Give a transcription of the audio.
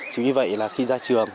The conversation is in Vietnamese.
chỉ vì vậy là khi ra trường